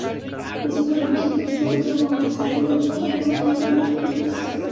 Los cinco edificios principales de la base se conectaban por un sistema de túneles.